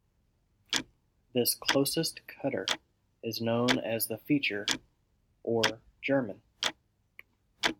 This closest cutter is known as the "feature," or "German.